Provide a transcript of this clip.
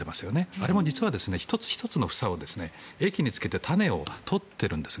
あれも実は１つ１つの房を液につけて種を取っているんです。